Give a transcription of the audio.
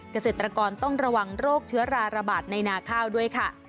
เกษตรกรต้องระวังโรคเชื้อราระบาดในนาข้าวด้วยค่ะ